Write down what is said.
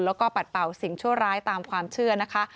แล้วก็ปัดเป่าสิ่งชั่วร้ายตามความเชื่อนะคะ